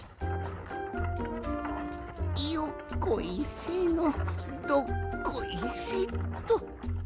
よっこいせのどっこいせっと。